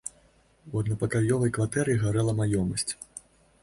У аднапакаёвай кватэры гарэла маёмасць.